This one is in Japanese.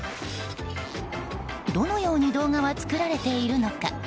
どのように動画は作られているのか。